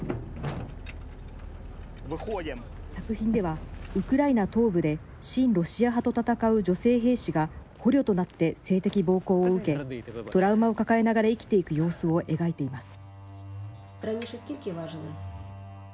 作品ではウクライナ東部で親ロシア派と戦う女性兵士が捕虜となって性的暴行を受けトラウマを抱えながら生きていく様子を描いています。